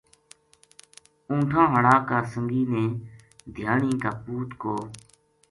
اونٹھا ں ہاڑا کا سنگی نے دھیانی کا پوت کو